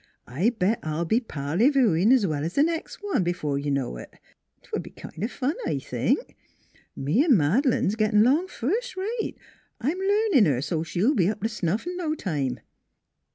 " I'll bet I'll be parly vooin' 's well 's th' next one, b'fore you know it. 'T would be kind o' fun, I think. Me an' Mad'lane's gittin' long first rate. I'm learnin' her, so 't she'll be up t' snuff in no time."